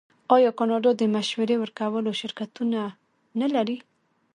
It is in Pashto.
آیا کاناډا د مشورې ورکولو شرکتونه نلري؟